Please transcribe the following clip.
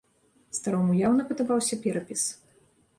Старому яўна падабаўся перапіс.